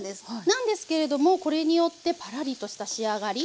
なんですけれどもこれによってパラリとした仕上がり。